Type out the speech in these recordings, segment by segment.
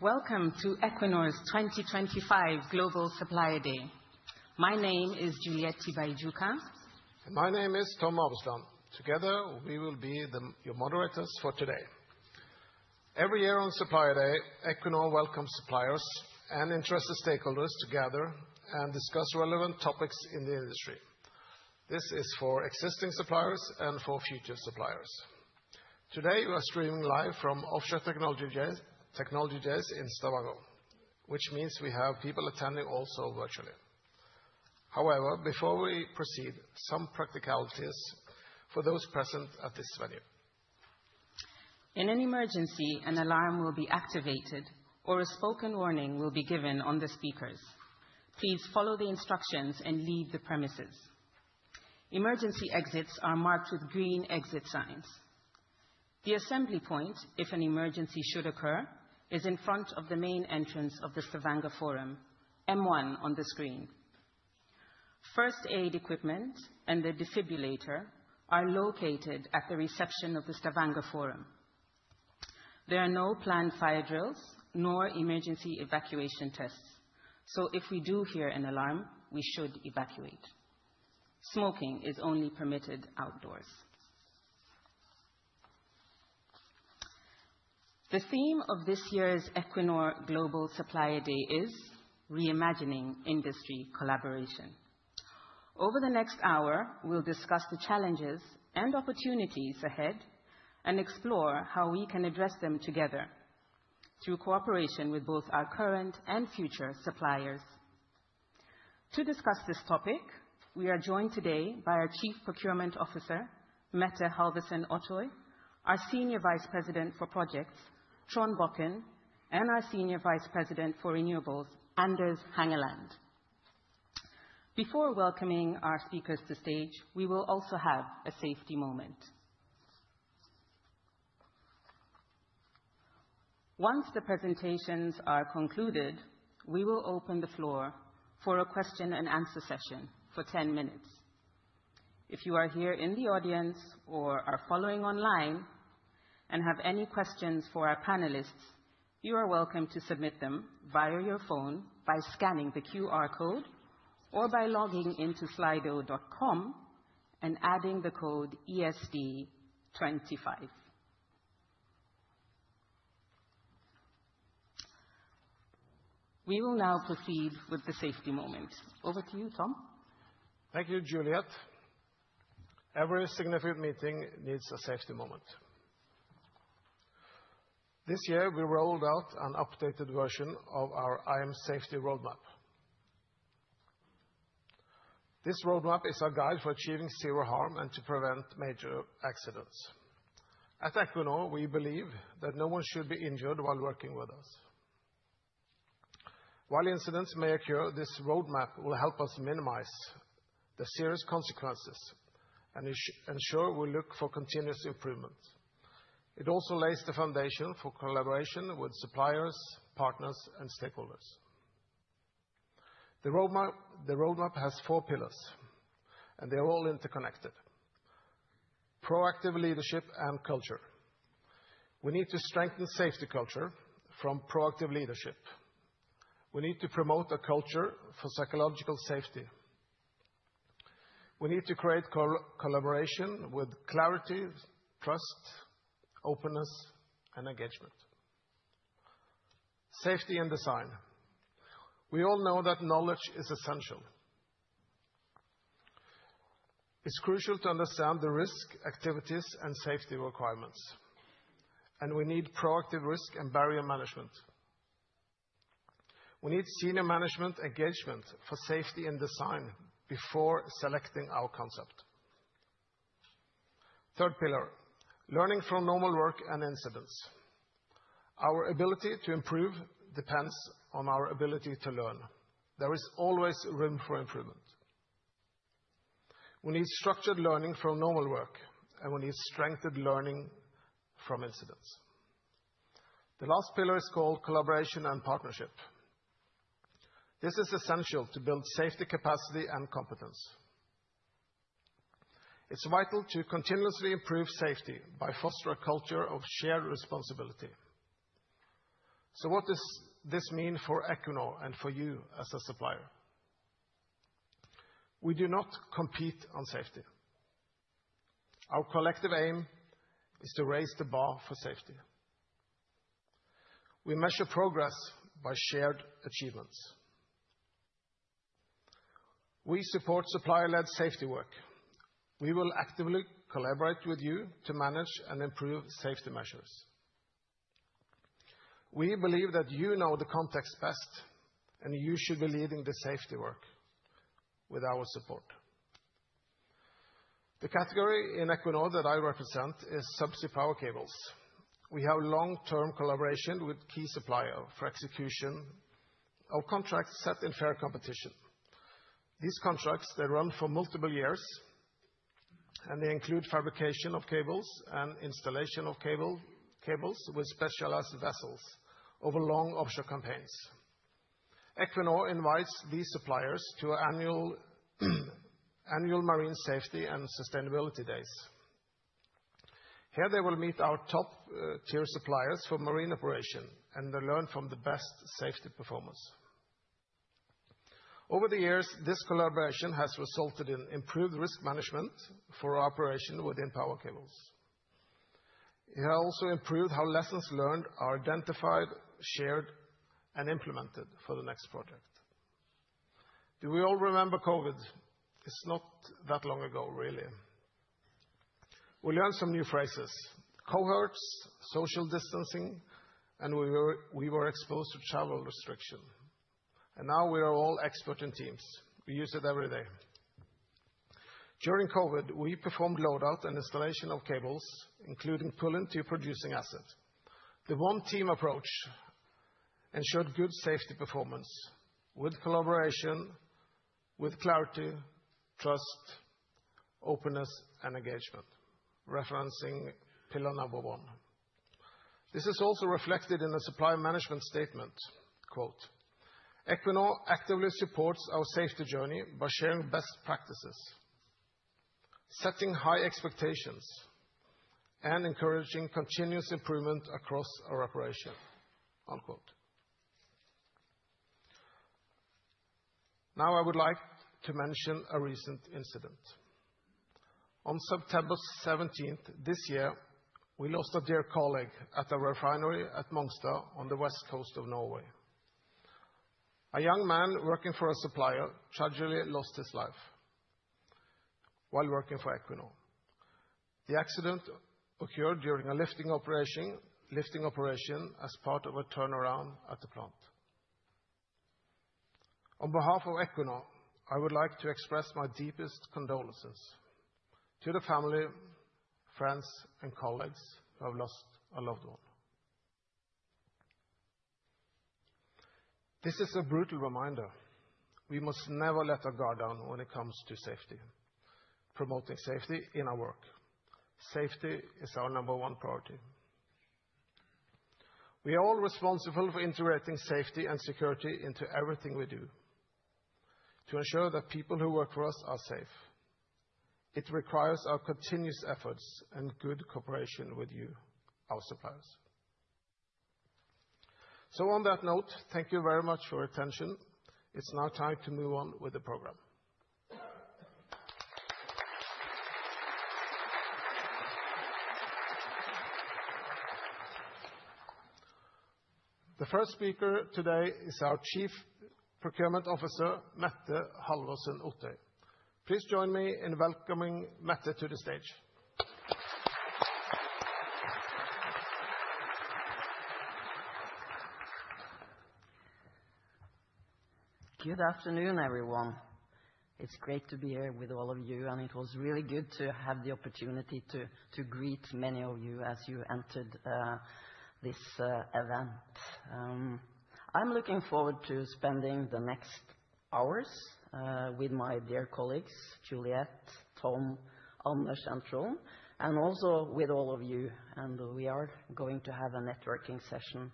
Welcome to Equinor's 2025 Global Supplier Day. My name is Juliette Baiduc. My name is Tom Obersdahl. Together, we will be your moderators for today. Every year on Supplier Day, Equinor welcomes suppliers and interested stakeholders to gather and discuss relevant topics in the industry. This is for existing suppliers and for future suppliers. Today, we are streaming live from Offshore Technology Days in Stavanger, which means we have people attending also virtually. However, before we proceed, some practicalities for those present at this venue. In an emergency, an alarm will be activated, or a spoken warning will be given on the speakers. Please follow the instructions and leave the premises. Emergency exits are marked with green exit signs. The assembly point, if an emergency should occur, is in front of the main entrance of the Stavanger Forum, M1 on the screen. First aid equipment and the defibrillator are located at the reception of the Stavanger Forum. There are no planned fire drills nor emergency evacuation tests, so if we do hear an alarm, we should evacuate. Smoking is only permitted outdoors. The theme of this year's Equinor Global Supplier Day is "Reimagining Industry Collaboration." Over the next hour, we'll discuss the challenges and opportunities ahead and explore how we can address them together through cooperation with both our current and future suppliers. To discuss this topic, we are joined today by our Chief Procurement Officer, Mette Halvorsen Ottøy, our Senior Vice President for Projects, Trond Bokn, and our Senior Vice President for Renewables, Anders Heggeland. Before welcoming our speakers to stage, we will also have a safety moment. Once the presentations are concluded, we will open the floor for a question-and-answer session for 10 minutes. If you are here in the audience or are following online and have any questions for our panelists, you are welcome to submit them via your phone by scanning the QR code or by logging into slido.com and adding the code ESD25. We will now proceed with the safety moment. Over to you, Tom. Thank you, Juliette. Every significant meeting needs a safety moment. This year, we rolled out an updated version of our IAM Safety Roadmap. This roadmap is our guide for achieving zero harm and to prevent major accidents. At Equinor, we believe that no one should be injured while working with us. While incidents may occur, this roadmap will help us minimize the serious consequences and ensure we look for continuous improvement. It also lays the foundation for collaboration with suppliers, partners, and stakeholders. The roadmap has four pillars, and they are all interconnected: proactive leadership and culture. We need to strengthen safety culture from proactive leadership. We need to promote a culture for psychological safety. We need to create collaboration with clarity, trust, openness, and engagement. Safety and design. We all know that knowledge is essential. It's crucial to understand the risk, activities, and safety requirements, and we need proactive risk and barrier management. We need senior management engagement for safety and design before selecting our concept. Third pillar: learning from normal work and incidents. Our ability to improve depends on our ability to learn. There is always room for improvement. We need structured learning from normal work, and we need strengthened learning from incidents. The last pillar is called collaboration and partnership. This is essential to build safety capacity and competence. It's vital to continuously improve safety by fostering a culture of shared responsibility. So what does this mean for Equinor and for you as a supplier? We do not compete on safety. Our collective aim is to raise the bar for safety. We measure progress by shared achievements. We support supplier-led safety work. We will actively collaborate with you to manage and improve safety measures. We believe that you know the context best, and you should be leading the safety work with our support. The category in Equinor that I represent is subsea power cables. We have long-term collaboration with key suppliers for execution of contracts set in fair competition. These contracts, they run for multiple years, and they include fabrication of cables and installation of cables with specialized vessels over long offshore campaigns. Equinor invites these suppliers to annual Marine Safety and Sustainability Days. Here, they will meet our top-tier suppliers for marine operation, and they learn from the best safety performance. Over the years, this collaboration has resulted in improved risk management for operation within power cables. It has also improved how lessons learned are identified, shared, and implemented for the next project. Do we all remember COVID? It's not that long ago, really. We learned some new phrases: cohorts, social distancing, and we were exposed to travel restrictions. And now we are all expert in teams. We use it every day. During COVID, we performed loadout and installation of cables, including pulling to producing assets. The one-team approach ensured good safety performance with collaboration, with clarity, trust, openness, and engagement, referencing pillar number one. This is also reflected in the supply management statement, quote, "Equinor actively supports our safety journey by sharing best practices, setting high expectations, and encouraging continuous improvement across our operation." Now, I would like to mention a recent incident. On September 17th this year, we lost a dear colleague at a refinery at Mongstad on the west coast of Norway. A young man working for a supplier tragically lost his life while working for Equinor. The accident occurred during a lifting operation as part of a turnaround at the plant. On behalf of Equinor, I would like to express my deepest condolences to the family, friends, and colleagues who have lost a loved one. This is a brutal reminder. We must never let our guard down when it comes to safety, promoting safety in our work. Safety is our number one priority. We are all responsible for integrating safety and security into everything we do to ensure that people who work for us are safe. It requires our continuous efforts and good cooperation with you, our suppliers. So on that note, thank you very much for your attention. It's now time to move on with the program. The first speaker today is our Chief Procurement Officer, Mette Halvorsen Ottøy. Please join me in welcoming Mette to the stage. Good afternoon, everyone. It's great to be here with all of you, and it was really good to have the opportunity to greet many of you as you entered this event. I'm looking forward to spending the next hours with my dear colleagues, Juliette, Tom, Anders and Tone, and also with all of you, and we are going to have a networking session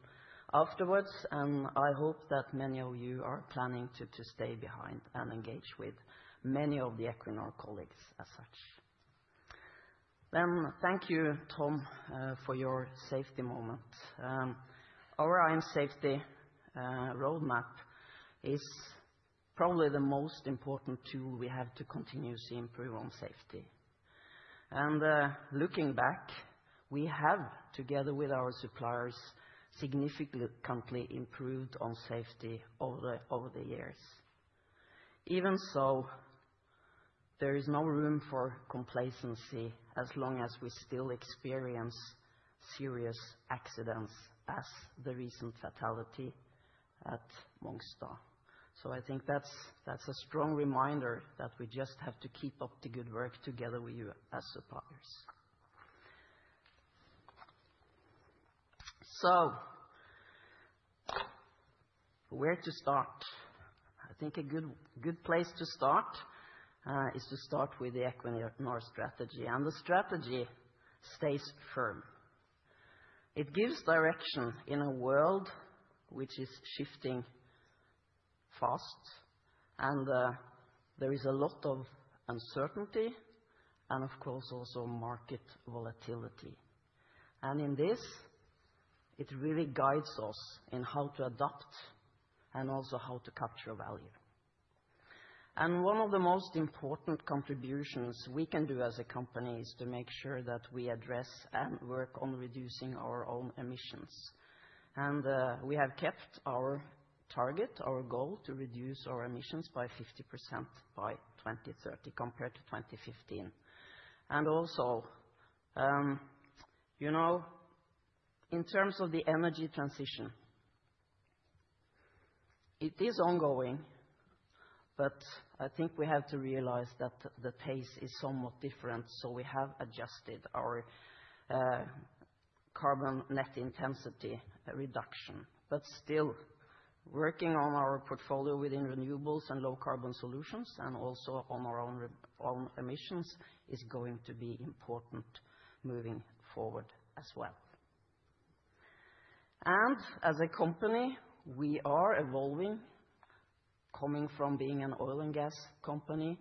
afterwards, and I hope that many of you are planning to stay behind and engage with many of the Equinor colleagues as such, then thank you, Tom, for your safety moment. Our IAM Safety Roadmap is probably the most important tool we have to continuously improve on safety, and looking back, we have, together with our suppliers, significantly improved on safety over the years. Even so, there is no room for complacency as long as we still experience serious accidents, as the recent fatality at Mongstad. So I think that's a strong reminder that we just have to keep up the good work together with you as suppliers. So where to start? I think a good place to start is to start with the Equinor strategy, and the strategy stays firm. It gives direction in a world which is shifting fast, and there is a lot of uncertainty and, of course, also market volatility. And in this, it really guides us in how to adapt and also how to capture value. And one of the most important contributions we can do as a company is to make sure that we address and work on reducing our own emissions. And we have kept our target, our goal to reduce our emissions by 50% by 2030 compared to 2015. And also, you know, in terms of the energy transition, it is ongoing, but I think we have to realize that the pace is somewhat different, so we have adjusted our carbon net intensity reduction. But still, working on our portfolio within renewables and low-carbon solutions and also on our own emissions is going to be important moving forward as well. And as a company, we are evolving, coming from being an oil and gas company,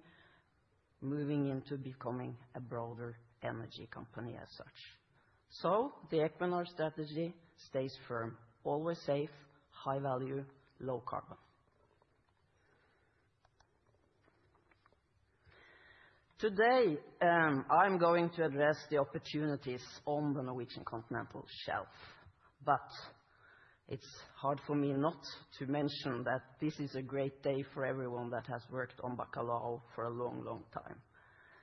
moving into becoming a broader energy company as such. So the Equinor strategy stays firm: always safe, high value, low carbon. Today, I'm going to address the opportunities on the Norwegian Continental Shelf, but it's hard for me not to mention that this is a great day for everyone that has worked on Bacalhau for a long, long time.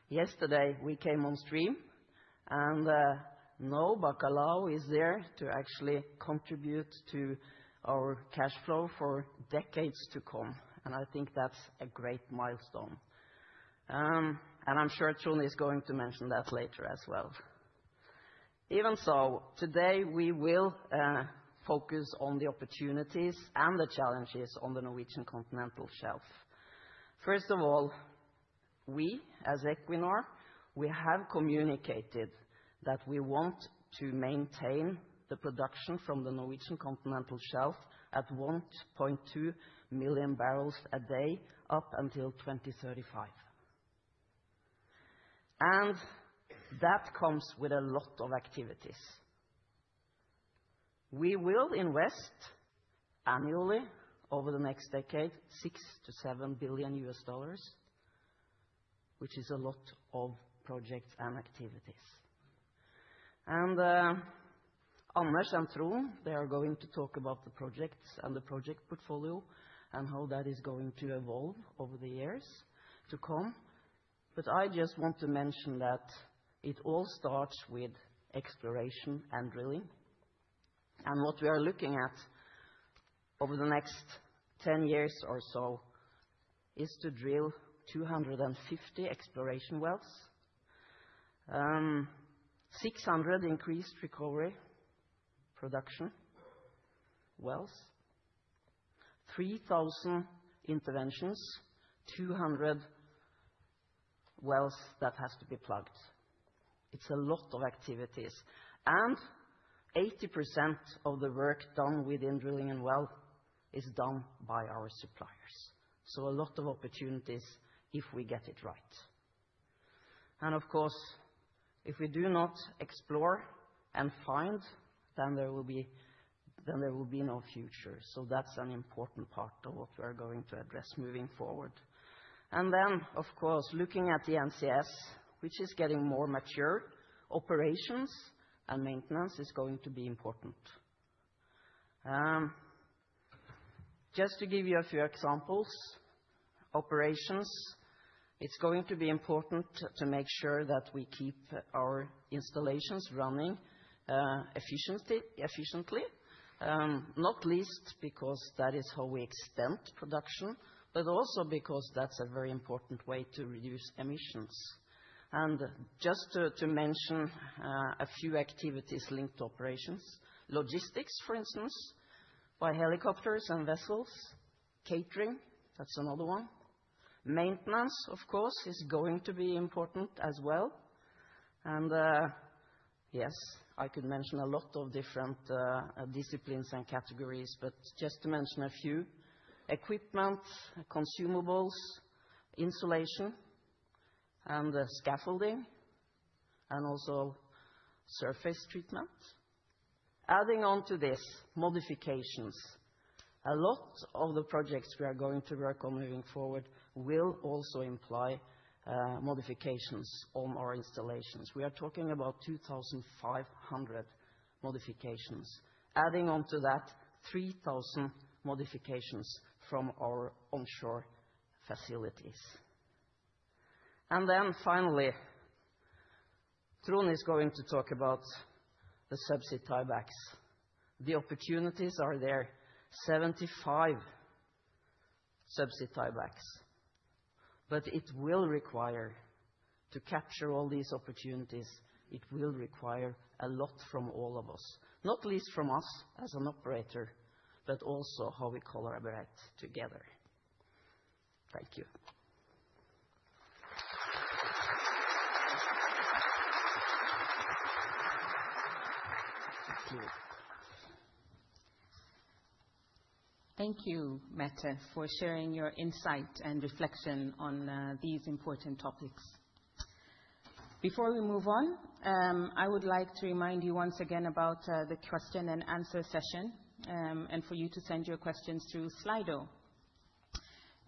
Yesterday, we came on stream, and now Bacalhau is there to actually contribute to our cash flow for decades to come, and I think that's a great milestone, and I'm sure Tone is going to mention that later as well. Even so, today, we will focus on the opportunities and the challenges on the Norwegian Continental Shelf. First of all, we as Equinor, we have communicated that we want to maintain the production from the Norwegian Continental Shelf at 1.2 million barrels a day up until 2035, and that comes with a lot of activities. We will invest annually over the next decade $6 billion-$7 billion, which is a lot of projects and activities, and Anders and Tone, they are going to talk about the projects and the project portfolio and how that is going to evolve over the years to come. But I just want to mention that it all starts with exploration and drilling. And what we are looking at over the next 10 years or so is to drill 250 exploration wells, 600 increased recovery production wells, 3,000 interventions, 200 wells that have to be plugged. It's a lot of activities. And 80% of the work done within drilling and well is done by our suppliers. So a lot of opportunities if we get it right. And of course, if we do not explore and find, then there will be no future. So that's an important part of what we are going to address moving forward. And then, of course, looking at the NCS, which is getting more mature, operations and maintenance is going to be important. Just to give you a few examples, operations, it's going to be important to make sure that we keep our installations running efficiently, not least because that is how we extend production, but also because that's a very important way to reduce emissions. And just to mention a few activities linked to operations, logistics, for instance, by helicopters and vessels, catering, that's another one. Maintenance, of course, is going to be important as well. And yes, I could mention a lot of different disciplines and categories, but just to mention a few: equipment, consumables, insulation, and scaffolding, and also surface treatment. Adding on to this, modifications. A lot of the projects we are going to work on moving forward will also imply modifications on our installations. We are talking about 2,500 modifications. Adding on to that, 3,000 modifications from our onshore facilities. And then finally, Tone is going to talk about the subsea tiebacks. The opportunities are there, 75 subsea tiebacks. But it will require to capture all these opportunities, it will require a lot from all of us, not least from us as an operator, but also how we collaborate together. Thank you. Thank you, Mette, for sharing your insight and reflection on these important topics. Before we move on, I would like to remind you once again about the question and answer session and for you to send your questions through Slido,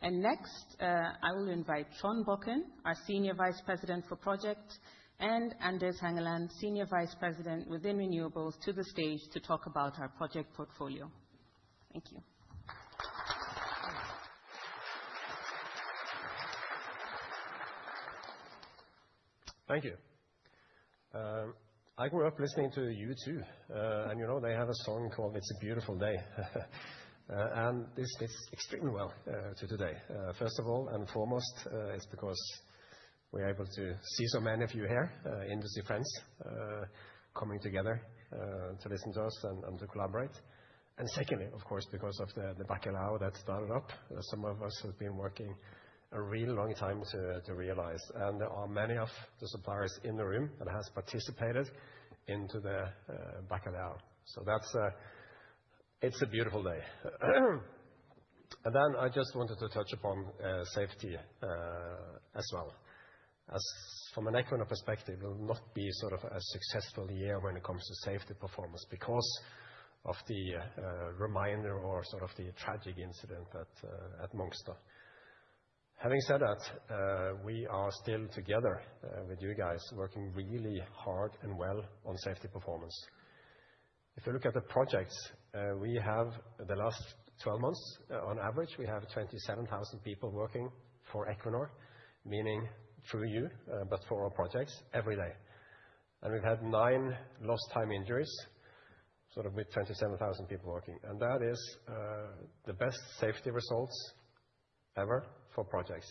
and next, I will invite Trond Bokn, our Senior Vice President for Project, and Anders Heggeland, Senior Vice President within Renewables, to the stage to talk about our project portfolio. Thank you. Thank you. I grew up listening to U2, and you know they have a song called "It's a Beautiful Day," and this fits extremely well to today. First of all and foremost, it's because we are able to see so many of you here, industry friends, coming together to listen to us and to collaborate, and secondly, of course, because of the Bacalhau that started up, some of us have been working a real long time to realize, and there are many of the suppliers in the room that have participated in the Bacalhau, so it's a beautiful day, and then I just wanted to touch upon safety as well. From an Equinor perspective, it will not be sort of a successful year when it comes to safety performance because of the reminder or sort of the tragic incident at Mongstad. Having said that, we are still together with you guys working really hard and well on safety performance. If you look at the projects, we have the last 12 months, on average, we have 27,000 people working for Equinor, meaning through you, but for our projects every day, and we've had nine lost time injuries sort of with 27,000 people working, and that is the best safety results ever for projects,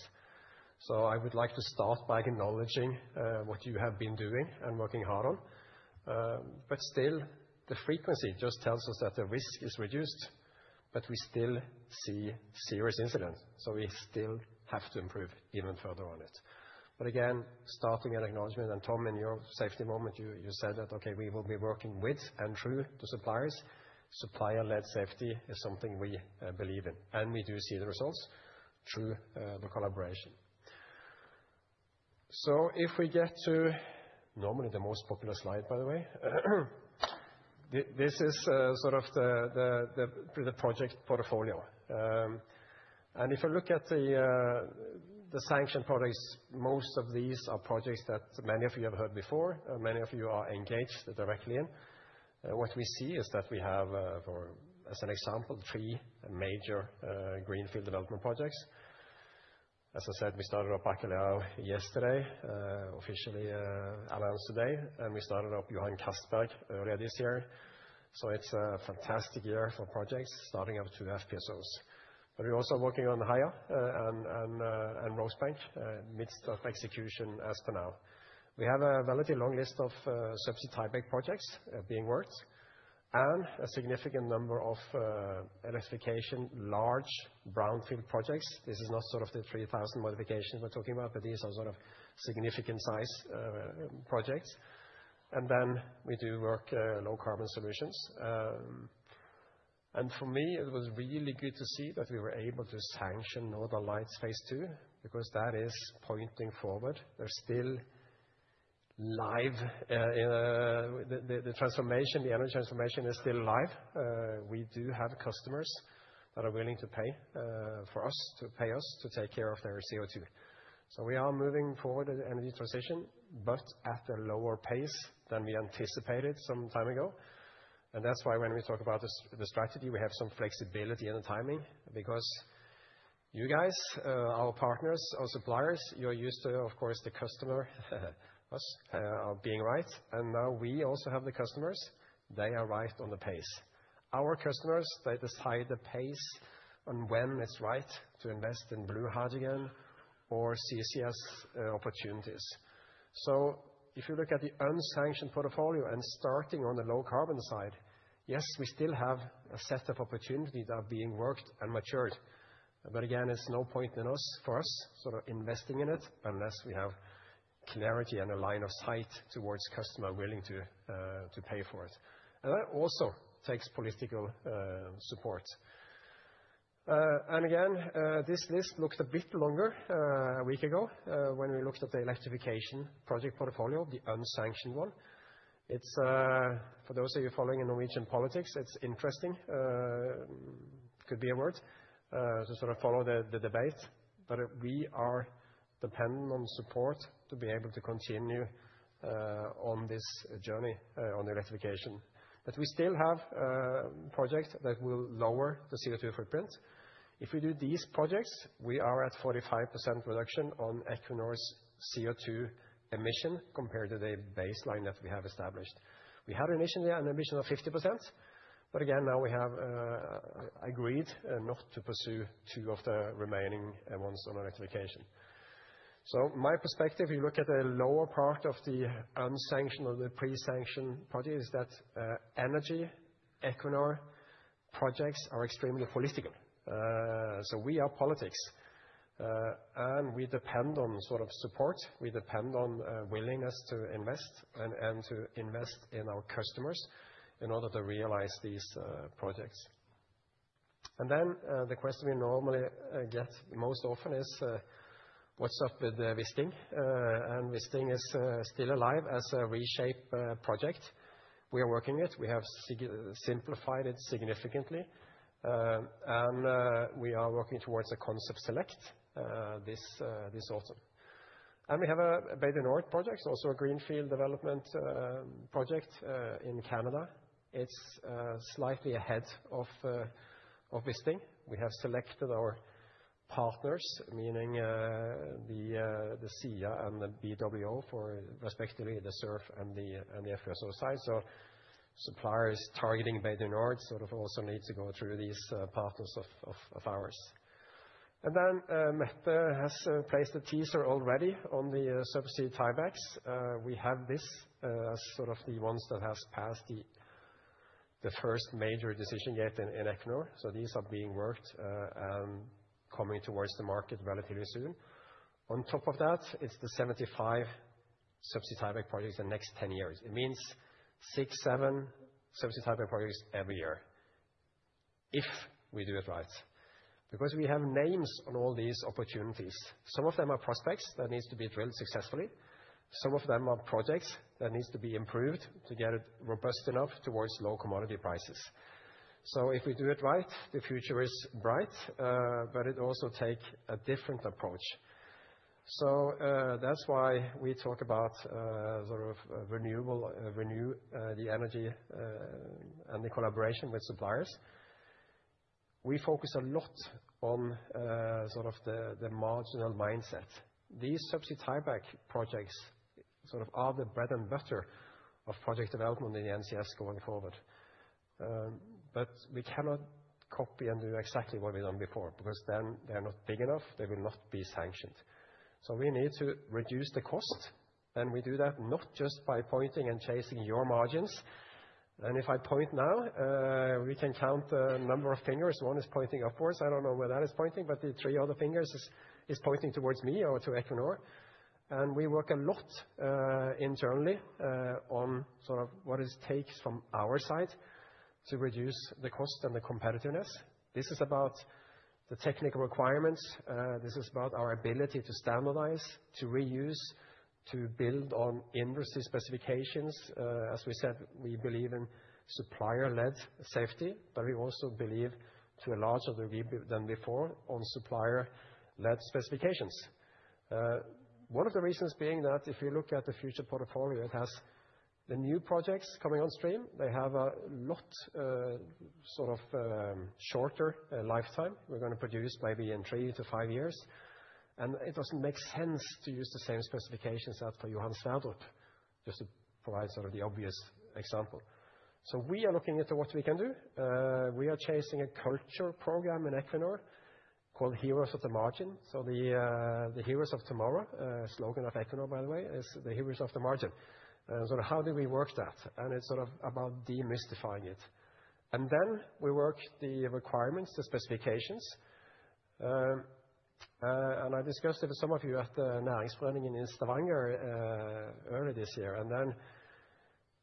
so I would like to start by acknowledging what you have been doing and working hard on, but still, the frequency just tells us that the risk is reduced, but we still see serious incidents, so we still have to improve even further on it. But again, starting with an acknowledgment, and Tom, in your safety moment, you said that, "Okay, we will be working with and through the suppliers." Supplier-led safety is something we believe in, and we do see the results through the collaboration. So if we get to normally the most popular slide, by the way, this is sort of the project portfolio. And if you look at the sanctioned projects, most of these are projects that many of you have heard before, many of you are engaged directly in. What we see is that we have, as an example, three major greenfield development projects. As I said, we started up Bacalhau yesterday, officially announced today, and we started up Johan Castberg earlier this year. So it's a fantastic year for projects starting up two FPSOs. But we're also working on Haier and Rosebank midst of execution as per now. We have a relatively long list of subsea tieback projects being worked and a significant number of electrification large brownfield projects. This is not sort of the 3,000 modifications we're talking about, but these are sort of significant-sized projects, and then we do work low carbon solutions, and for me, it was really good to see that we were able to sanction Northern Lights Phase II because that is pointing forward. There's still live the transformation, the energy transformation is still live. We do have customers that are willing to pay for us, to pay us to take care of their CO2, so we are moving forward in the energy transition, but at a lower pace than we anticipated some time ago. And that's why, when we talk about the strategy, we have some flexibility in the timing because you guys, our partners, our suppliers, you're used to, of course, the customer us being right. And now we also have the customers. They are right on the pace. Our customers, they decide the pace on when it's right to invest in Blue Hydrogen or CCS opportunities. So if you look at the unsanctioned portfolio and starting on the low carbon side, yes, we still have a set of opportunities that are being worked and matured. But again, it's no point for us sort of investing in it unless we have clarity and a line of sight towards customer willing to pay for it. And that also takes political support. And again, this list looked a bit longer a week ago when we looked at the electrification project portfolio, the unsanctioned one. For those of you following in Norwegian politics, it's interesting. It could be a word to sort of follow the debate. But we are dependent on support to be able to continue on this journey on electrification. But we still have projects that will lower the CO2 footprint. If we do these projects, we are at 45% reduction on Equinor's CO2 emission compared to the baseline that we have established. We had initially an emission of 50%, but again, now we have agreed not to pursue two of the remaining ones on electrification. So my perspective, if you look at the lower part of the unsanctioned or the pre-sanctioned projects, is that energy, Equinor projects are extremely political. So we are politics, and we depend on sort of support. We depend on willingness to invest and to invest in our customers in order to realize these projects. And then the question we normally get most often is, what's up with Wisting? And Wisting is still alive as a reshape project. We are working it. We have simplified it significantly, and we are working towards a concept select this autumn. And we have a Bay du Nord project, also a greenfield development project in Canada. It's slightly ahead of Wisting. We have selected our partners, meaning the SEA and the BWO for respectively the SURF and the FPSO side. So suppliers targeting Bay du Nord sort of also need to go through these partners of ours. And then Mette has placed a teaser already on the subsea tiebacks. We have this as sort of the ones that have passed the first major decision yet in Equinor. So these are being worked and coming towards the market relatively soon. On top of that, it's the 75 subsea tieback projects in the next 10 years. It means six, seven subsea tieback projects every year if we do it right, because we have names on all these opportunities. Some of them are prospects that need to be drilled successfully. Some of them are projects that need to be improved to get it robust enough toward low commodity prices, so if we do it right, the future is bright, but it also takes a different approach, so that's why we talk about sort of renewable, the energy and the collaboration with suppliers. We focus a lot on sort of the marginal mindset. These subsea tieback projects sort of are the bread and butter of project development in the NCS going forward, but we cannot copy and do exactly what we've done before because then they're not big enough. They will not be sanctioned. So we need to reduce the cost. And we do that not just by pointing and chasing your margins. And if I point now, we can count the number of fingers. One is pointing upwards. I don't know where that is pointing, but the three other fingers is pointing towards me or to Equinor. And we work a lot internally on sort of what it takes from our side to reduce the cost and the competitiveness. This is about the technical requirements. This is about our ability to standardize, to reuse, to build on industry specifications. As we said, we believe in supplier-led safety, but we also believe to a large degree than before on supplier-led specifications. One of the reasons being that if you look at the future portfolio, it has the new projects coming on stream. They have a lot sort of shorter lifetime. We're going to produce maybe in three to five years. And it doesn't make sense to use the same specifications as for Johan Sverdrup, just to provide sort of the obvious example. So we are looking into what we can do. We are chasing a culture program in Equinor called Heroes of the Margin. So the Heroes of Tomorrow, a slogan of Equinor, by the way, is the Heroes of the Margin. And sort of how do we work that? And it's sort of about demystifying it. And then we work the requirements, the specifications. And I discussed it with some of you at the Næringsforeningen in Stavanger early this year. And then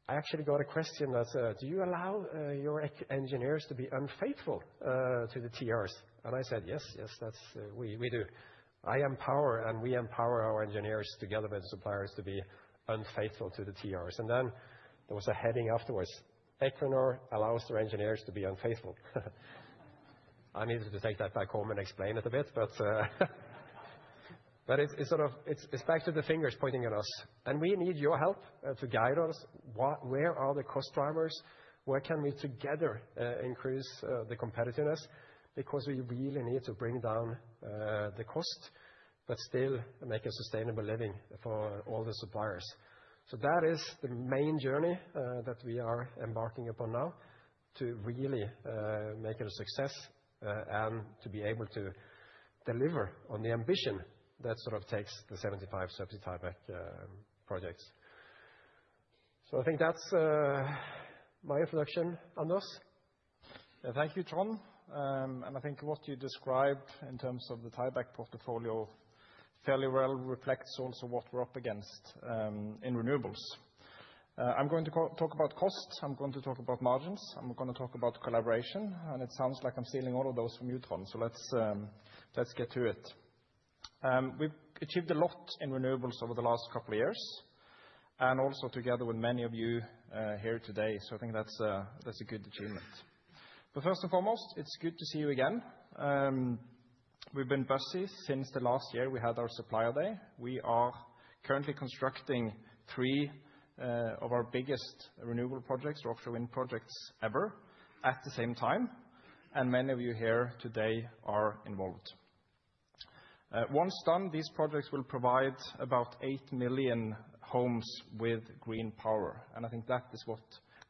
I actually got a question that said, "Do you allow your engineers to be unfaithful to the TRs?" And I said, "Yes, yes, we do. I empower and we empower our engineers together with suppliers to be unfaithful to the TRs." And then there was a heading afterwards, "Equinor allows their engineers to be unfaithful." I needed to take that back home and explain it a bit, but it's sort of back to the fingers pointing at us. And we need your help to guide us. Where are the cost drivers? Where can we together increase the competitiveness? Because we really need to bring down the cost, but still make a sustainable living for all the suppliers. So that is the main journey that we are embarking upon now to really make it a success and to be able to deliver on the ambition that sort of takes the 75 subsea tieback projects. So I think that's my introduction, Anders. Thank you, Trond. And I think what you described in terms of the tieback portfolio fairly well reflects also what we're up against in renewables. I'm going to talk about cost. I'm going to talk about margins. I'm going to talk about collaboration. And it sounds like I'm stealing all of those from Trond. So let's get to it. We've achieved a lot in renewables over the last couple of years and also together with many of you here today. So I think that's a good achievement. But first and foremost, it's good to see you again. We've been busy since the last year we had our supplier day. We are currently constructing three of our biggest renewable projects, offshore wind projects ever, at the same time. And many of you here today are involved. Once done, these projects will provide about 8 million homes with green power. And I think that is what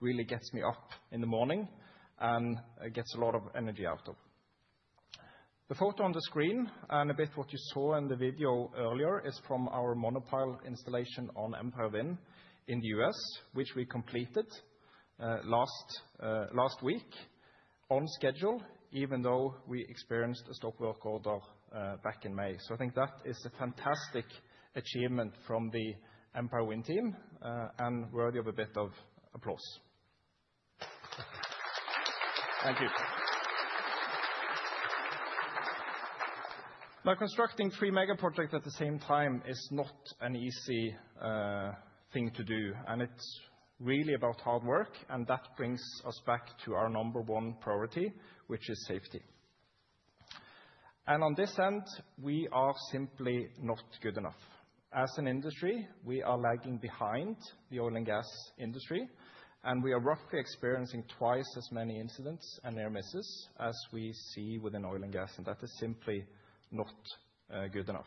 really gets me up in the morning and gets a lot of energy out of. The photo on the screen and a bit what you saw in the video earlier is from our monopile installation on Empire Wind in the U.S., which we completed last week on schedule, even though we experienced a stop work order back in May. So I think that is a fantastic achievement from the Empire Wind team and worthy of a bit of applause. Thank you. Now, constructing three mega projects at the same time is not an easy thing to do. And that brings us back to our number one priority, which is safety. And on this end, we are simply not good enough. As an industry, we are lagging behind the oil and gas industry. And we are roughly experiencing twice as many incidents and near misses as we see within oil and gas. And that is simply not good enough.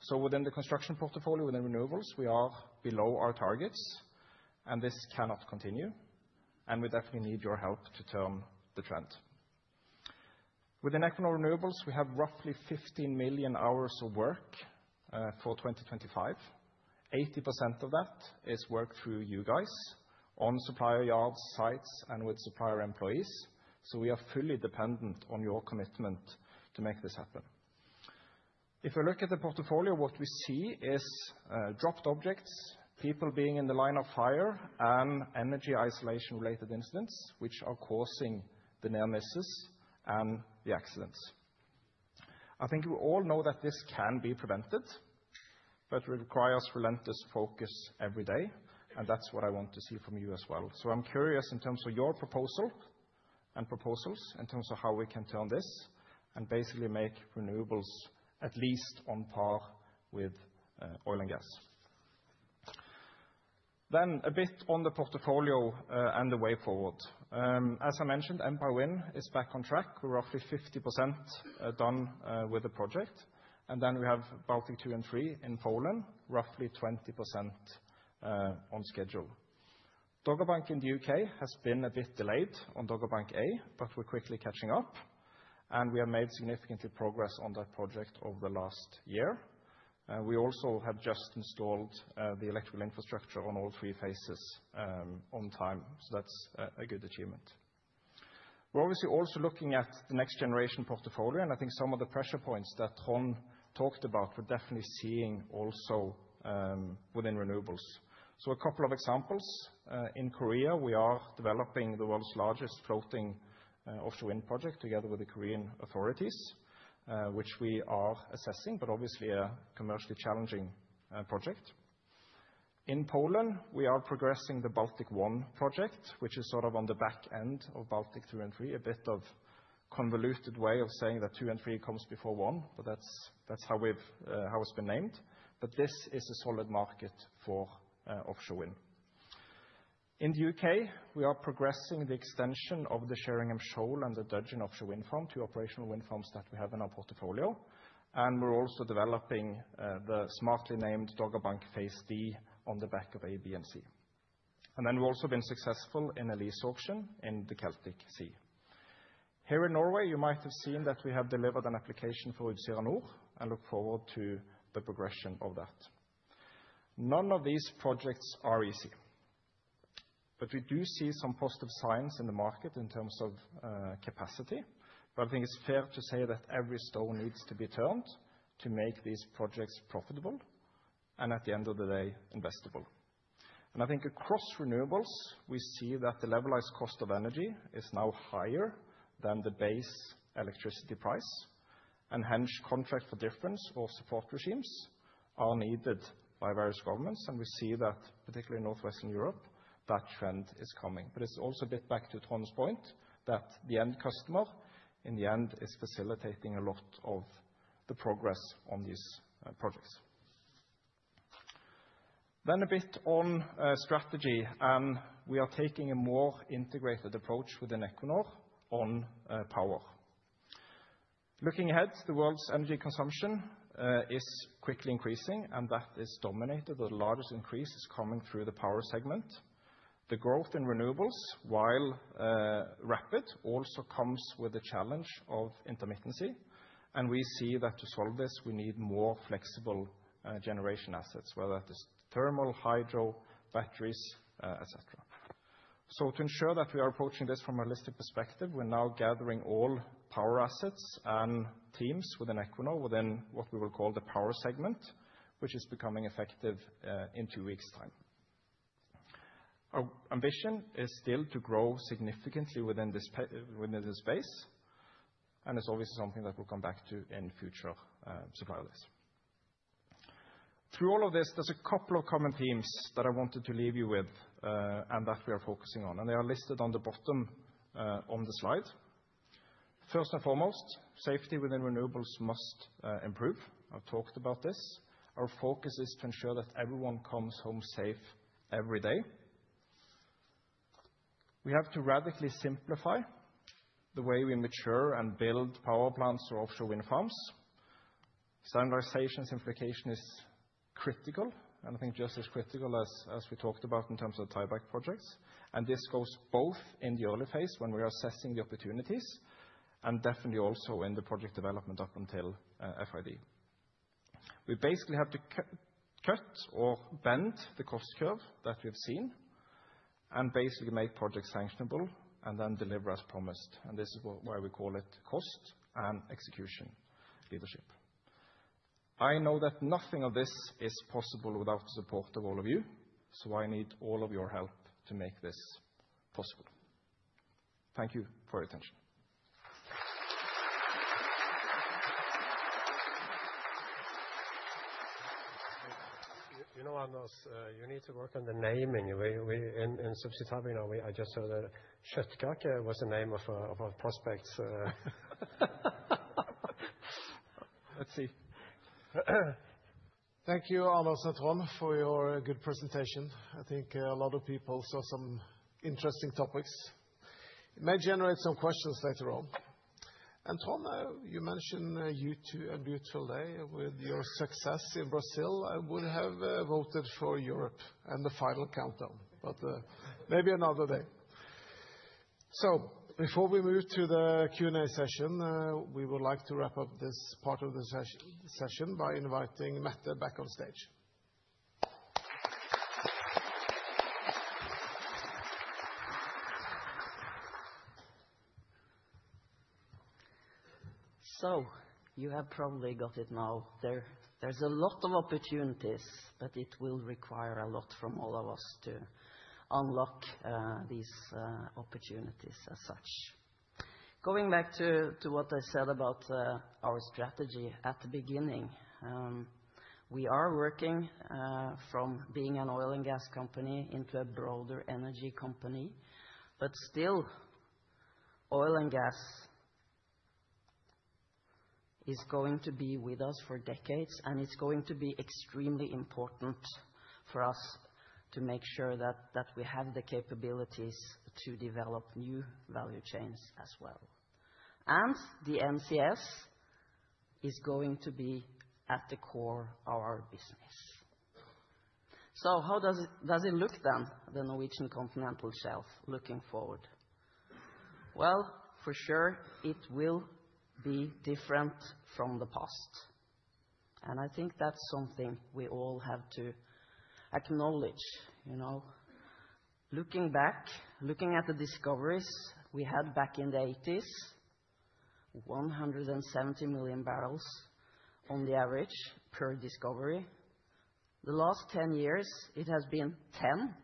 So within the construction portfolio, within renewables, we are below our targets. And this cannot continue. And we definitely need your help to turn the trend. Within Equinor Renewables, we have roughly 15 million hours of work for 2025. 80% of that is work through you guys on supplier yards, sites, and with supplier employees. So we are fully dependent on your commitment to make this happen. If we look at the portfolio, what we see is dropped objects, people being in the line of fire, and energy isolation-related incidents, which are causing the near misses and the accidents. I think we all know that this can be prevented, but it requires relentless focus every day. And that's what I want to see from you as well. So I'm curious in terms of your proposal and proposals in terms of how we can turn this and basically make renewables at least on par with oil and gas. Then a bit on the portfolio and the way forward. As I mentioned, Empire Wind is back on track. We're roughly 50% done with the project. And then we have Baltic II and III in Poland, roughly 20% on schedule. Dogger Bank in the U.K. has been a bit delayed on Dogger Bank A, but we're quickly catching up. And we have made significant progress on that project over the last year. We also have just installed the electrical infrastructure on all three phases on time. So that's a good achievement. We're obviously also looking at the next generation portfolio. And I think some of the pressure points that Trond talked about, we're definitely seeing also within renewables. So a couple of examples. In Korea, we are developing the world's largest floating offshore wind project together with the Korean authorities, which we are assessing, but obviously a commercially challenging project. In Poland, we are progressing the Baltic I project, which is sort of on the back end of Baltic II and III, a bit of a convoluted way of saying that II and III comes before I, but that's how it's been named. But this is a solid market for offshore wind. In the U.K., we are progressing the extension of the Sheringham Shoal and the Dogger offshore wind farm to operational wind farms that we have in our portfolio. And we're also developing the smartly named Dogger Bank Phase D on the back of A, B, and C. And then we've also been successful in a lease auction in the Celtic Sea. Here in Norway, you might have seen that we have delivered an application for Utsira Nord and look forward to the progression of that. None of these projects are easy. But we do see some positive signs in the market in terms of capacity. But I think it's fair to say that every stone needs to be turned to make these projects profitable and at the end of the day, investable. And I think across renewables, we see that the levelized cost of energy is now higher than the base electricity price. And hence, contracts for difference or support regimes are needed by various governments. And we see that, particularly in Northwestern Europe, that trend is coming. But it's also a bit back to Trond's point that the end customer in the end is facilitating a lot of the progress on these projects, then a bit on strategy, and we are taking a more integrated approach within Equinor on power. Looking ahead, the world's energy consumption is quickly increasing, and that is dominated. The largest increase is coming through the power segment. The growth in renewables, while rapid, also comes with the challenge of intermittency, and we see that to solve this, we need more flexible generation assets, whether that is thermal, hydro, batteries, etc., so to ensure that we are approaching this from a holistic perspective, we're now gathering all power assets and teams within Equinor within what we will call the power segment, which is becoming effective in two weeks' time. Our ambition is still to grow significantly within this space. And it's obviously something that we'll come back to in future supplier days. Through all of this, there's a couple of common themes that I wanted to leave you with and that we are focusing on. And they are listed on the bottom on the slide. First and foremost, safety within renewables must improve. I've talked about this. Our focus is to ensure that everyone comes home safe every day. We have to radically simplify the way we mature and build power plants or offshore wind farms. Standardization's implication is critical, and I think just as critical as we talked about in terms of tieback projects. And this goes both in the early phase when we are assessing the opportunities and definitely also in the project development up until FID. We basically have to cut or bend the cost curve that we've seen and basically make projects sanctionable and then deliver as promised, and this is why we call it cost and execution leadership. I know that nothing of this is possible without the support of all of you, so I need all of your help to make this possible. Thank you for your attention. You know, Anders, you need to work on the naming. In Subsea Tarbina, I just heard that Kjetil Kvalke was the name of our prospects. Let's see. Thank you, Anders and Trond, for your good presentation. I think a lot of people saw some interesting topics. It may generate some questions later on. And Trond, you mentioned a beautiful day with your success in Brazil. I would have voted for Europe and the final countdown, but maybe another day. So before we move to the Q&A session, we would like to wrap up this part of the session by inviting Mette back on stage. So you have probably got it now. There's a lot of opportunities, but it will require a lot from all of us to unlock these opportunities as such. Going back to what I said about our strategy at the beginning, we are working from being an oil and gas company into a broader energy company. But still, oil and gas is going to be with us for decades, and it's going to be extremely important for us to make sure that we have the capabilities to develop new value chains as well. And the MCS is going to be at the core of our business. So how does it look then, the Norwegian Continental Shelf looking forward? Well, for sure, it will be different from the past. And I think that's something we all have to acknowledge. Looking back, looking at the discoveries we had back in the 1980s, 170 million barrels on the average per discovery. The last 10 years, it has been 10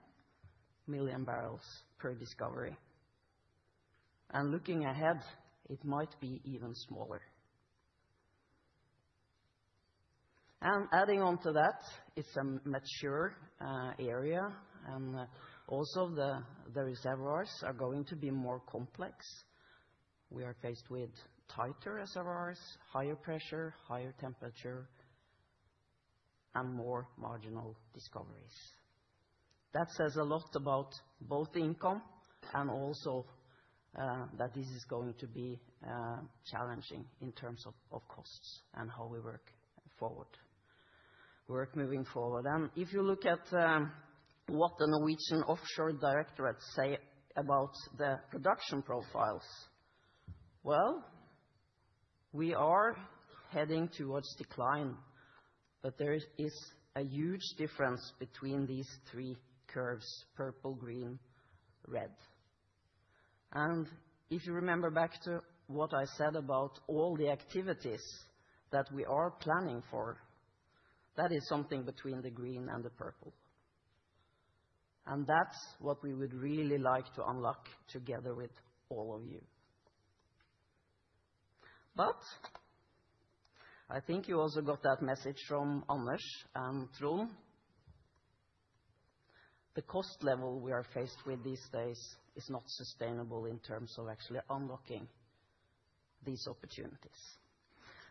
million barrels per discovery. And looking ahead, it might be even smaller. And adding on to that, it's a mature area. And also, the reservoirs are going to be more complex. We are faced with tighter reservoirs, higher pressure, higher temperature, and more marginal discoveries. That says a lot about both income and also that this is going to be challenging in terms of costs and how we work forward, work moving forward. And if you look at what the Norwegian Offshore Directorate says about the production profiles, well, we are heading toward decline. But there is a huge difference between these three curves, purple, green, red. And if you remember back to what I said about all the activities that we are planning for, that is something between the green and the purple. And that's what we would really like to unlock together with all of you. But I think you also got that message from Anders and Trond. The cost level we are faced with these days is not sustainable in terms of actually unlocking these opportunities.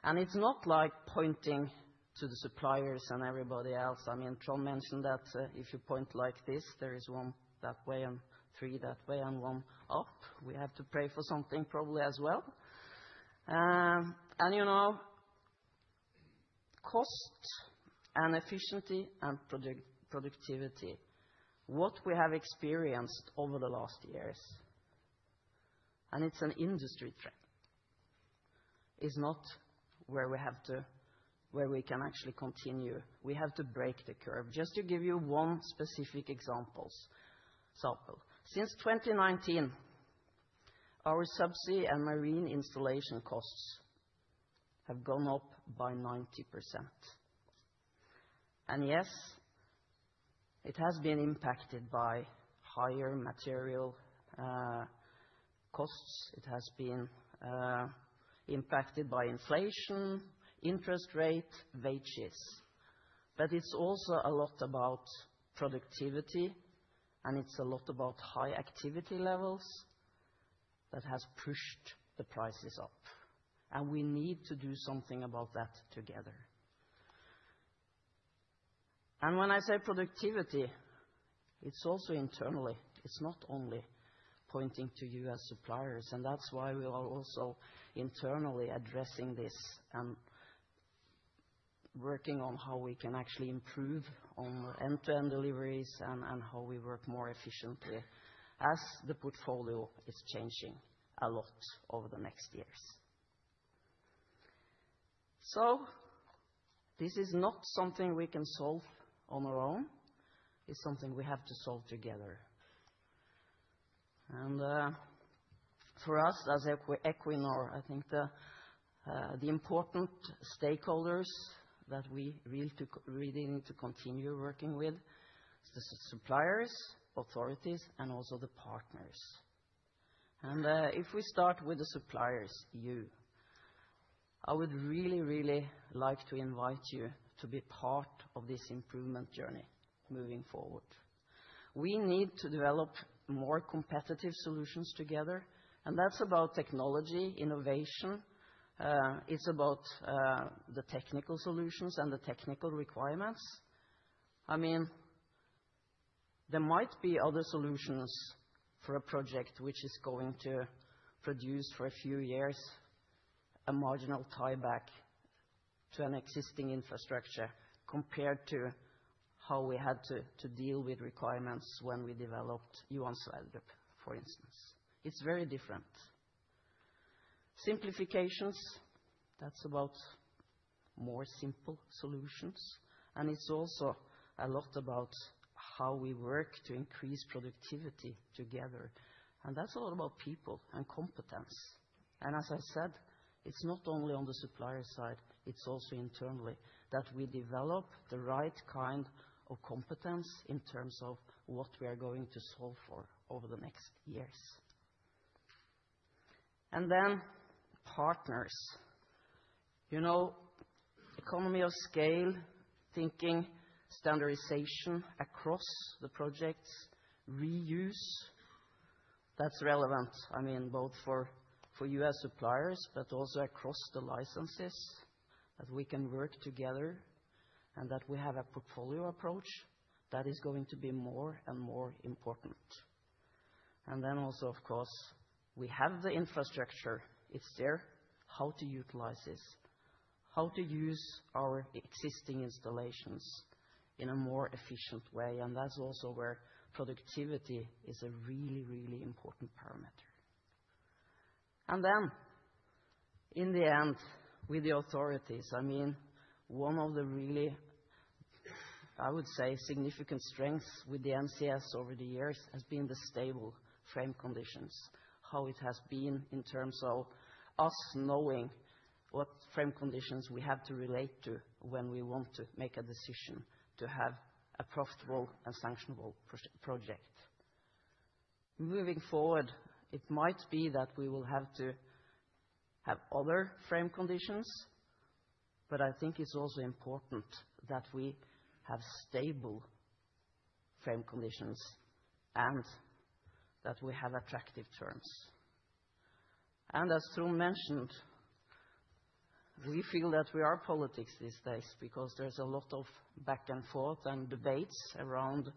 And it's not like pointing to the suppliers and everybody else. I mean, Trond mentioned that if you point like this, there is one that way and three that way and one up. We have to pray for something probably as well. And cost and efficiency and productivity, what we have experienced over the last years, and it's an industry trend, is not where we can actually continue. We have to break the curve. Just to give you one specific example, since 2019, our subsea and marine installation costs have gone up by 90%, and yes, it has been impacted by higher material costs. It has been impacted by inflation, interest rate, wages, but it's also a lot about productivity, and it's a lot about high activity levels that have pushed the prices up, and we need to do something about that together, and when I say productivity, it's also internally. It's not only pointing to you as suppliers, and that's why we are also internally addressing this and working on how we can actually improve on end-to-end deliveries and how we work more efficiently as the portfolio is changing a lot over the next years, so this is not something we can solve on our own. It's something we have to solve together. And for us as Equinor, I think the important stakeholders that we really need to continue working with are the suppliers, authorities, and also the partners. And if we start with the suppliers, you, I would really, really like to invite you to be part of this improvement journey moving forward. We need to develop more competitive solutions together. And that's about technology, innovation. It's about the technical solutions and the technical requirements. I mean, there might be other solutions for a project which is going to produce for a few years a marginal tieback to an existing infrastructure compared to how we had to deal with requirements when we developed Johan Sverdrup, for instance. It's very different. Simplifications, that's about more simple solutions. And it's also a lot about how we work to increase productivity together. And that's all about people and competence. And as I said, it's not only on the supplier side, it's also internally that we develop the right kind of competence in terms of what we are going to solve for over the next years. And then partners. Economies of scale, thinking standardization across the projects, reuse, that's relevant, I mean, both for U.S. suppliers, but also across the licenses that we can work together and that we have a portfolio approach that is going to be more and more important. And then also, of course, we have the infrastructure. It's there. How to utilize this? How to use our existing installations in a more efficient way? And that's also where productivity is a really, really important parameter. And then, in the end, with the authorities, I mean, one of the really, I would say, significant strengths with the NCS over the years has been the stable frame conditions, how it has been in terms of us knowing what frame conditions we have to relate to when we want to make a decision to have a profitable and sanctionable project. Moving forward, it might be that we will have to have other frame conditions, but I think it's also important that we have stable frame conditions and that we have attractive terms, and as Trond mentioned, we feel that we are politics these days because there's a lot of back and forth and debates around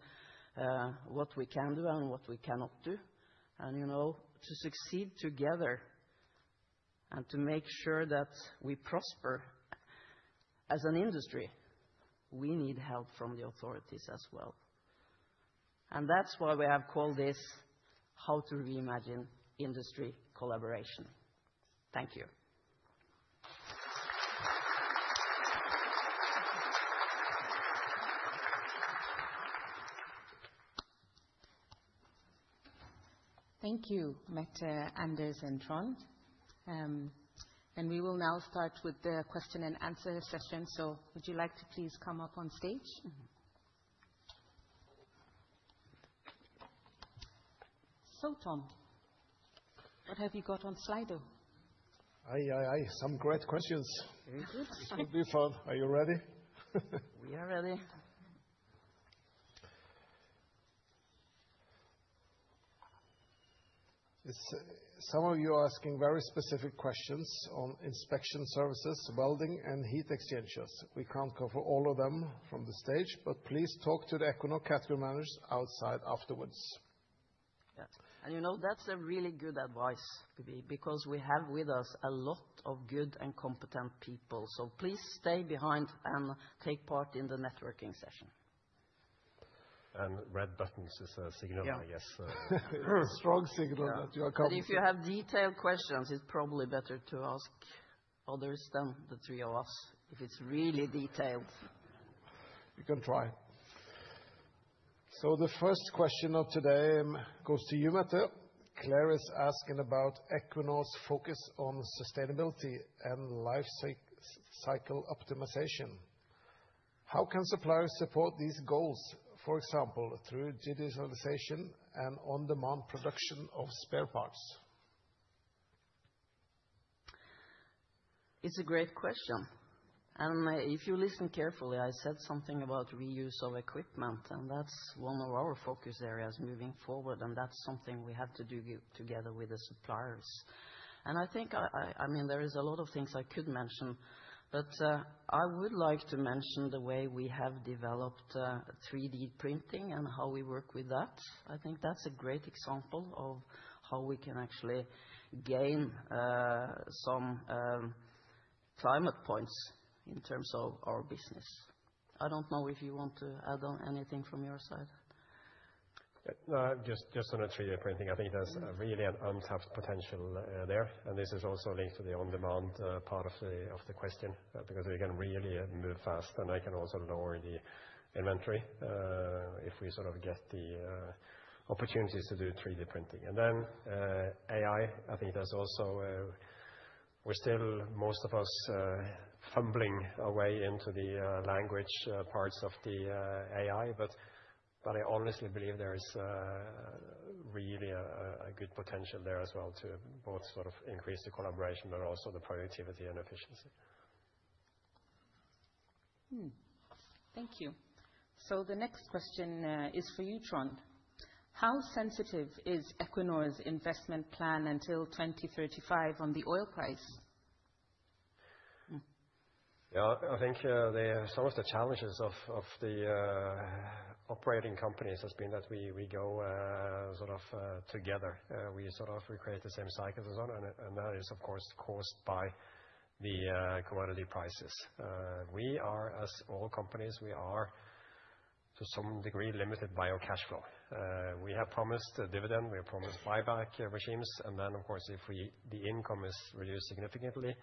what we can do and what we cannot do, and to succeed together and to make sure that we prosper as an industry, we need help from the authorities as well. And that's why we have called this how to reimagine industry collaboration. Thank you. Thank you, Mette, Anders, and Trond. And we will now start with the question and answer session. So would you like to please come up on stage? So Tom, what have you got on Slido? Some great questions. Very good. Some deep thought. Are you ready? We are ready. Some of you are asking very specific questions on inspection services, welding, and heat exchangers. We can't cover all of them from the stage, but please talk to the Equinor Category Managers outside afterwards. Yeah, and you know that's really good advice, Bibi, because we have with us a lot of good and competent people, so please stay behind and take part in the networking session. And red buttons is a signal, I guess. Yeah. A strong signal that you are coming. But if you have detailed questions, it's probably better to ask others than the three of us if it's really detailed. You can try. So the first question of today goes to you, Mette. Claire is asking about Equinor's focus on sustainability and life cycle optimization. How can suppliers support these goals, for example, through digitalization and on-demand production of spare parts? It's a great question. And if you listen carefully, I said something about reuse of equipment, and that's one of our focus areas moving forward. And that's something we have to do together with the suppliers. And I think, I mean, there are a lot of things I could mention, but I would like to mention the way we have developed 3D printing and how we work with that. I think that's a great example of how we can actually gain some climate points in terms of our business. I don't know if you want to add on anything from your side. Just on a 3D printing, I think there's really an untapped potential there. And this is also linked to the on-demand part of the question because we can really move fast, and I can also lower the inventory if we sort of get the opportunities to do 3D printing. And then AI, I think there's also we're still, most of us, fumbling our way into the language parts of the AI, but I honestly believe there is really a good potential there as well to both sort of increase the collaboration, but also the productivity and efficiency. Thank you. So the next question is for you, Trond. How sensitive is Equinor's investment plan until 2035 on the oil price? Yeah, I think some of the challenges of the operating companies has been that we go sort of together. We sort of create the same cycles and so on. And that is, of course, caused by the commodity prices. We are, as all companies, we are to some degree limited by our cash flow. We have promised dividend, we have promised buyback regimes. And then, of course, if the income is reduced significantly,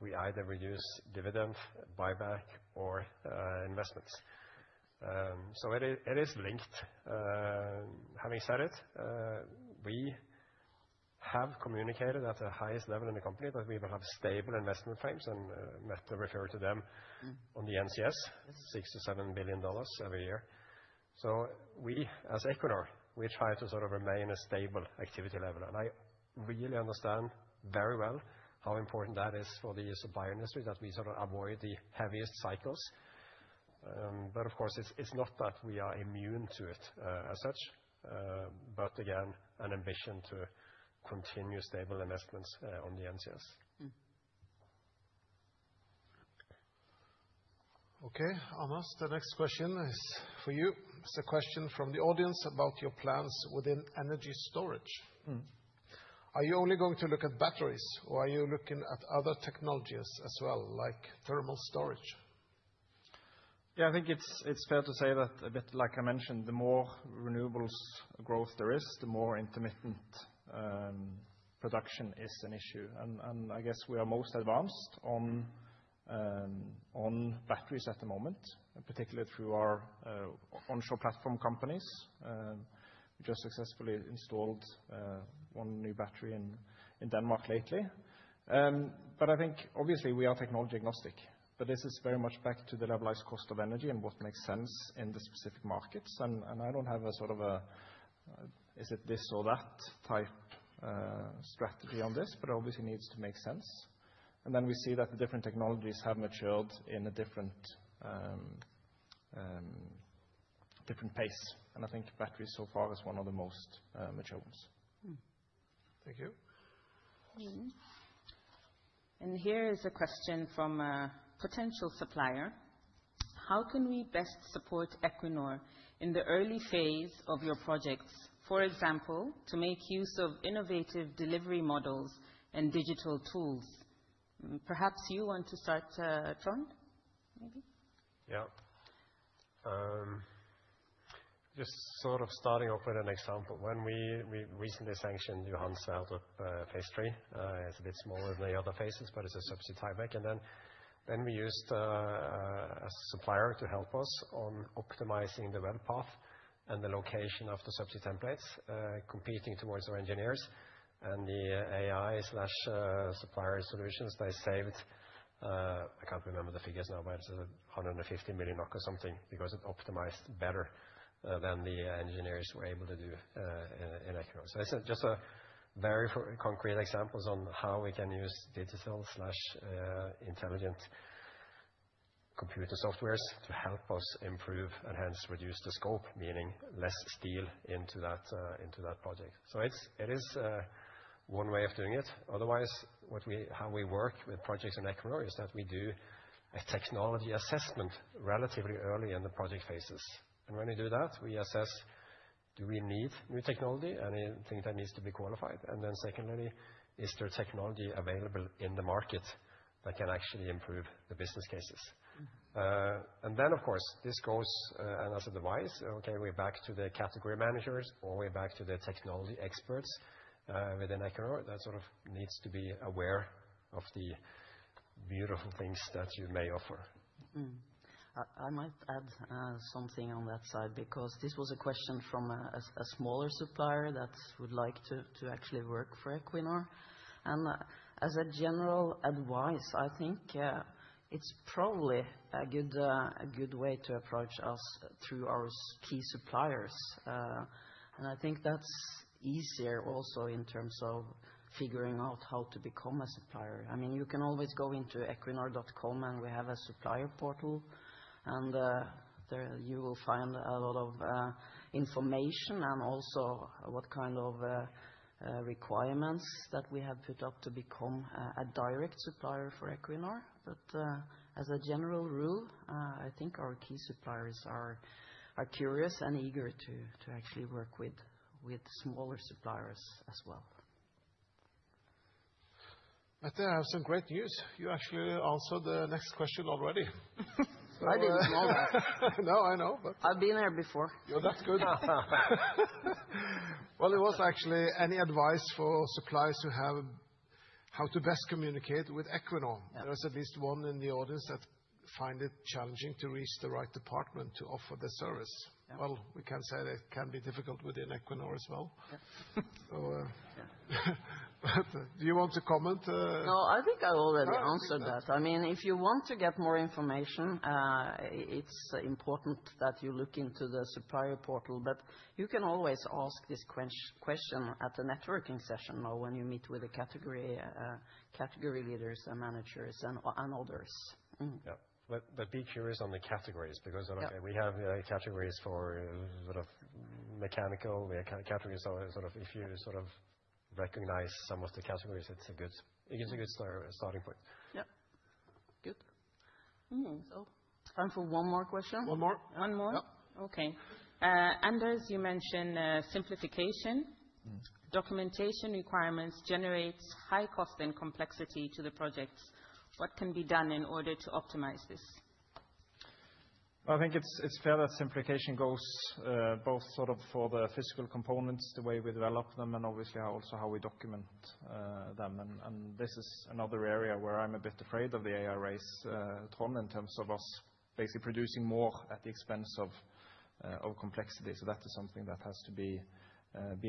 we either reduce dividend, buyback, or investments. So it is linked. Having said it, we have communicated at the highest level in the company that we will have stable investment frames, and Mette referred to them on the NCS, $6-$7 billion every year. So we, as Equinor, we try to sort of remain a stable activity level. And I really understand very well how important that is for the supply industry that we sort of avoid the heaviest cycles. But of course, it's not that we are immune to it as such, but again, an ambition to continue stable investments on the NCS. Okay, Arnas, the next question is for you. It's a question from the audience about your plans within energy storage. Are you only going to look at batteries, or are you looking at other technologies as well, like thermal storage? Yeah, I think it's fair to say that, a bit like I mentioned, the more renewables growth there is, the more intermittent production is an issue. And I guess we are most advanced on batteries at the moment, particularly through our onshore platform companies. We just successfully installed one new battery in Denmark lately. But I think, obviously, we are technology agnostic, but this is very much back to the Levelized Cost of Energy and what makes sense in the specific markets. And I don't have a sort of a, is it this or that type strategy on this, but it obviously needs to make sense. And then we see that the different technologies have matured in a different pace. And I think batteries so far are one of the most mature ones. Thank you. And here is a question from a potential supplier. How can we best support Equinor in the early phase of your projects, for example, to make use of innovative delivery models and digital tools? Perhaps you want to start, Trond, maybe? Yeah. Just sort of starting off with an example. When we recently sanctioned Johan Sverdrup Phase 3, it's a bit smaller than the other phases, but it's a subsea tieback. And then we used a supplier to help us on optimizing the weld path and the location of the subsea templates, competing towards our engineers. And the AI/supplier solutions, they saved, I can't remember the figures now, about 150 million or something because it optimized better than the engineers were able to do in Equinor. So it's just very concrete examples on how we can use digital/intelligent computer softwares to help us improve and hence reduce the scope, meaning less steel into that project. So it is one way of doing it. Otherwise, how we work with projects in Equinor is that we do a technology assessment relatively early in the project phases. And when we do that, we assess: Do we need new technology, anything that needs to be qualified? And then secondly, is there technology available in the market that can actually improve the business cases? And then, of course, this goes as advice. Okay, we're back to the category managers or we're back to the technology experts within Equinor. That sort of needs to be aware of the beautiful things that you may offer. I might add something on that side because this was a question from a smaller supplier that would like to actually work for Equinor, and as a general advice, I think it's probably a good way to approach us through our key suppliers, and I think that's easier also in terms of figuring out how to become a supplier. I mean, you can always go into Equinor.com, and we have a supplier portal, and there you will find a lot of information and also what kind of requirements that we have put up to become a direct supplier for Equinor, but as a general rule, I think our key suppliers are curious and eager to actually work with smaller suppliers as well. Mette, I have some great news. You actually answered the next question already. I didn't know that. No, I know, but. I've been there before. Yeah, that's good. Well, it was actually any advice for suppliers to have how to best communicate with Equinor. There's at least one in the audience that finds it challenging to reach the right department to offer the service. Well, we can say that it can be difficult within Equinor as well. Do you want to comment? No, I think I already answered that. I mean, if you want to get more information, it's important that you look into the supplier portal, but you can always ask this question at a networking session or when you meet with the category leaders and managers and others. Yeah, but be curious on the categories because we have categories for sort of mechanical. We have categories sort of if you sort of recognize some of the categories. It's a good starting point. Yeah. Good. So time for one more question? One more. One more? Yeah. Okay. Anders, you mentioned simplification. Documentation requirements generate high cost and complexity to the projects. What can be done in order to optimize this? I think it's fair that simplification goes both sort of for the physical components, the way we develop them, and obviously also how we document them. And this is another area where I'm a bit afraid of the AI race, Trond, in terms of us basically producing more at the expense of complexity. So that is something that has to be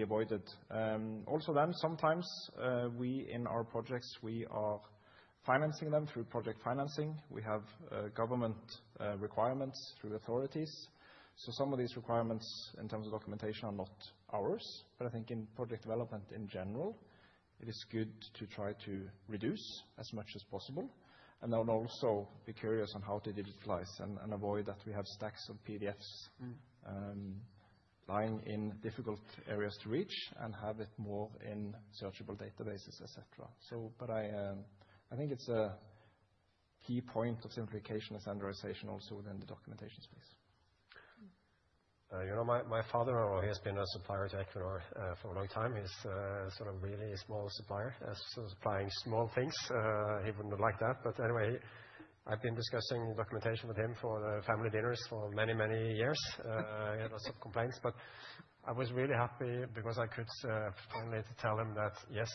avoided. Also then, sometimes in our projects, we are financing them through project financing. We have government requirements through authorities. So some of these requirements in terms of documentation are not ours. But I think in project development in general, it is good to try to reduce as much as possible and then also be curious on how to digitalize and avoid that we have stacks of PDFs lying in difficult areas to reach and have it more in searchable databases, etc. But I think it's a key point of simplification and standardization also within the documentation space. You know, my father-in-law, he has been a supplier to Equinor for a long time. He's sort of really a small supplier, so supplying small things. He wouldn't like that, but anyway, I've been discussing documentation with him for family dinners for many, many years. He had lots of complaints, but I was really happy because I could finally tell him that, yes,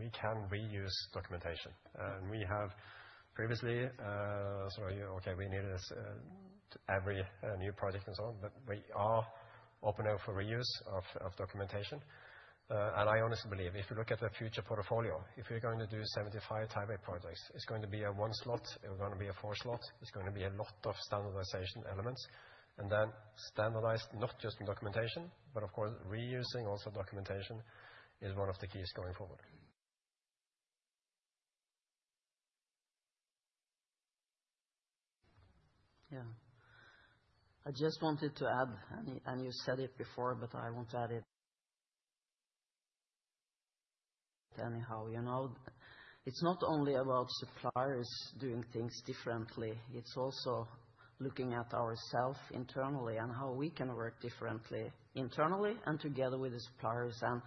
we can reuse documentation, and we have previously sort of, okay, we needed this every new project and so on, but we are open now for reuse of documentation, and I honestly believe if you look at the future portfolio, if you're going to do 75 tieback projects, it's going to be a one slot, it's going to be a four slot, it's going to be a lot of standardization elements. And then standardize, not just in documentation, but of course, reusing also documentation is one of the keys going forward. Yeah. I just wanted to add, and you said it before, but I want to add it anyhow. It's not only about suppliers doing things differently. It's also looking at ourselves internally and how we can work differently internally and together with the suppliers. And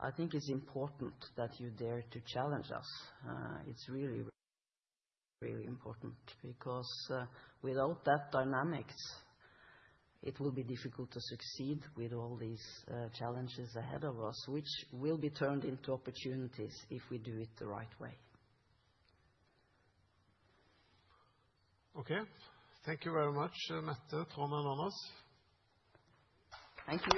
I think it's important that you dare to challenge us. It's really, really important because without that dynamics, it will be difficult to succeed with all these challenges ahead of us, which will be turned into opportunities if we do it the right way. Okay. Thank you very much, Mette, Trond, and Anders. Thank you.